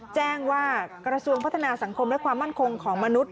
แจ้งว่ากระทรวงพัฒนาสังคมและความมั่นคงของมนุษย